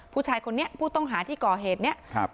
ผู้ชายคนนี้ผู้ต้องหาที่ก่อเหตุเนี้ยครับ